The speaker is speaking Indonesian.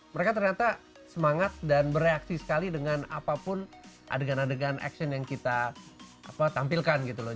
mereka ternyata semangat dan bereaksi sekali dengan apapun adegan adegan action yang kita tampilkan gitu loh